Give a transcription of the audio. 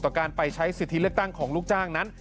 การไปใช้สิทธิเลือกตั้งของลูกจ้างนั้น